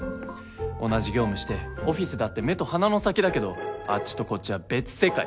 同じ業務してオフィスだって目と鼻の先だけどあっちとこっちは別世界。